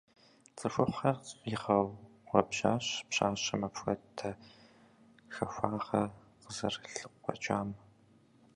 ЦӀыхухъухэр къигъэуӀэбжьащ пщащэм апхуэдэ хахуагъэ къызэрылъыкъуэкӀам.